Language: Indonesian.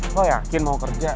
lo yakin mau kerja